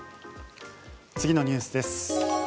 次のニュースです。